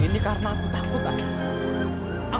ini karena aku takut ayah